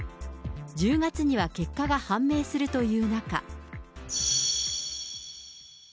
１０月には結果が判明するという中。